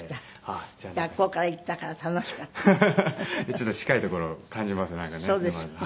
ちょっと近いところを感じますなんかね沼津。